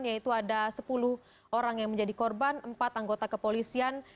yaitu ada sepuluh orang yang menjadi korban empat anggota kepolisian